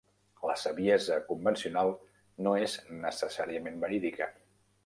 La saviesa convencional no és necessàriament verídica.